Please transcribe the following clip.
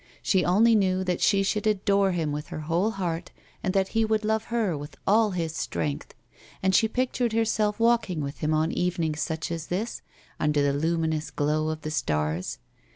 She only knew that she should adore him with her whole heart, and that he would love her "with all his strength, and she pictured herself walking with him on evenings such as this, under the luminous glow of the stars.